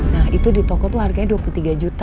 nah itu di toko itu harganya dua puluh tiga juta